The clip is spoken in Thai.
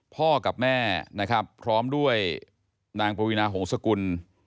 พ่อกับแม่นะครับพร้อมด้วยนางปวีนาหงษกุล